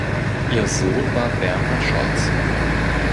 Ihr Sohn war Bernhard Scholz.